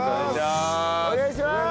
お願いします！